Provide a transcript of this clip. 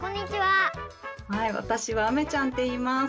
はいわたしはうめちゃんっていいます。